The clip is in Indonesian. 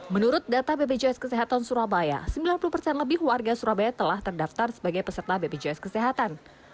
menurut data bpjs kesehatan surabaya sembilan puluh persen lebih warga surabaya telah terdaftar sebagai peserta bpjs kesehatan